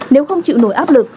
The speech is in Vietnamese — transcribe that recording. nếu không chịu nổi áp lực